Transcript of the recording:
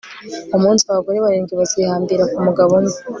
uwo munsi, abagore barindwi bazihambira ku mugabo umwe